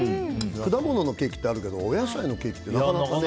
果物のケーキあってあるけどお野菜のケーキってなかなかね。